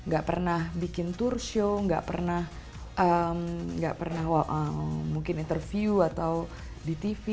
gak pernah bikin tour show gak pernah mungkin interview atau di tv